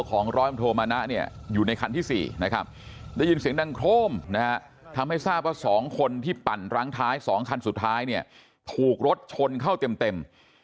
คนที่ปั่นรั้งท้าย๒คันสุดท้ายถูกรถชนเข้าเต็ม